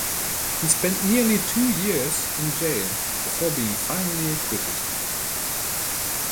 He spent nearly two years in jail, before being finally acquitted.